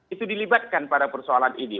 itu dilibatkan pada persoalan ini